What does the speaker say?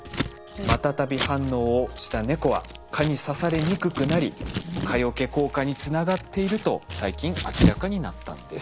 マタタビ反応をした猫は蚊に刺されにくくなり蚊よけ効果につながっていると最近明らかになったんです。